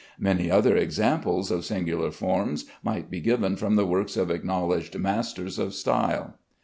Many other examples of singular forms might be given from the works of acknowledged masters of style.